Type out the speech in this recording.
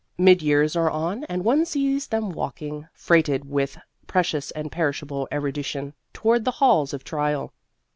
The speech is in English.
Midyears are on and one sees them walking, freighted with precious and perishable erudition, toward the halls of trial.